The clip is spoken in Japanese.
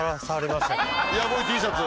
イヤボイＴシャツ？